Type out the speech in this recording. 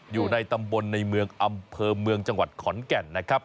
อยู่ในตำบลในเมืองอำเภอเมืองจังหวัดขอนแก่นนะครับ